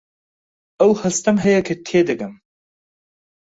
ئەو هەستەم هەیە کە تێدەگەم.